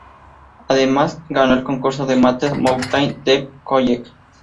Además, ganó el concurso de mates Mountain Dew College.